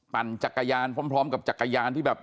ปั่นจักรยานพร้อมกับจักรยานที่แบบ